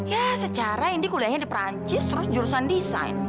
ya secara indi kuliahnya di prancis terus jurusan desain